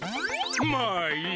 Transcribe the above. まあいい。